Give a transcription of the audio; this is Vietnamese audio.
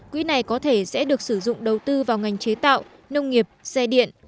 quỹ này có thể sẽ được sử dụng đầu tư vào ngành chế tạo nông nghiệp xe điện